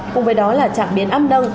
cùng với đó là trạng biến âm đăng